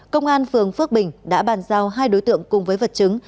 công an phường phước bình đã bàn giao hai đối tượng cùng với vật chứng